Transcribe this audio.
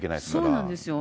そうなんですよ。